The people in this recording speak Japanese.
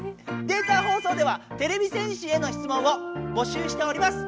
データ放送ではてれび戦士へのしつもんを募集しております！